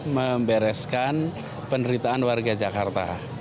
membereskan penderitaan warga jakarta